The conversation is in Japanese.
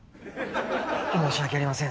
申し訳ありません